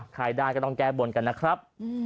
ใครได้ก็ต้องแก้บนกันนะครับ